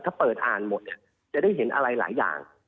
ถ้าเปิดอ่านหมดเนี่ยจะได้เห็นอะไรหลายอย่าง